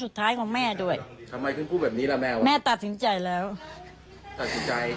สุดท้ายของแม่ด้วยทำไมถึงพูดแบบนี้ล่ะแมวแม่ตัดสินใจแล้วตัดสินใจ